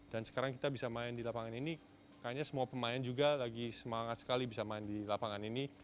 dan sekarang kita bisa main di lapangan ini kayaknya semua pemain juga lagi semangat sekali bisa main di lapangan ini